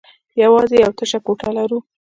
يواځې يوه تشه کوټه لرو.